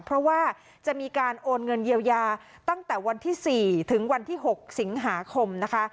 เพราะว่าจะมีการโอนเงินเยียวยาตั้งแต่วันที่๔ถึงวันที่๖สิงหาคมนะคะ